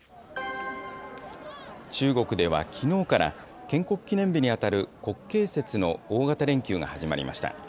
中国ではきのうから、建国記念日に当たる国慶節の大型連休が始まりました。